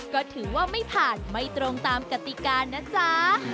ก็ถือว่าไม่ผ่านไม่ตรงตามกติกานะจ๊ะ